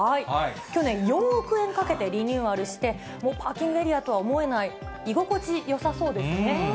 去年、４億円かけてリニューアルして、パーキングエリアとは思えない居心地よさそうですよね。